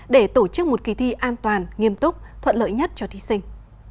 để tổ chức một kỳ thi an toàn nghiêm túc thuận lợi nhất cho thí sinh